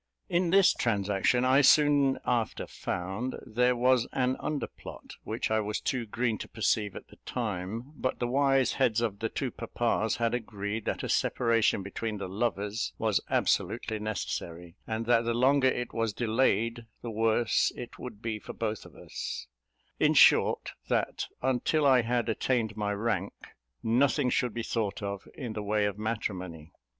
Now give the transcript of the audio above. In this transaction I soon after found there was an underplot, which I was too green to perceive at the time; but the wise heads of the two papas had agreed that a separation between the lovers was absolutely necessary, and that the longer it was delayed, the worse it would be for both of us: in short, that until I had attained my rank, nothing should be thought of in the way of matrimony.